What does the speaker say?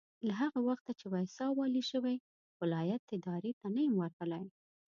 له هغه وخته چې ويساء والي شوی ولایت ادارې ته نه یم ورغلی.